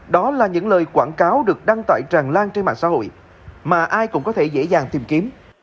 đó là những lời quảng cáo được đăng tải tràn lan trên mạng xã hội mà ai cũng có thể dễ dàng tìm kiếm